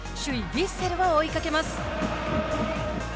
ヴィッセルを追いかけます。